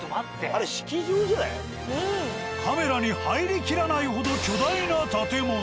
あれカメラに入りきらないほど巨大な建物。